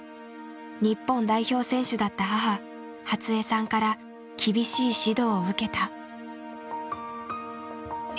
日本代表選手だった母初江さんから厳しい指導を受けた。